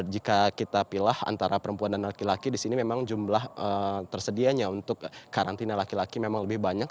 jika kita pilih antara perempuan dan laki laki di sini memang jumlah tersedianya untuk karantina laki laki memang lebih banyak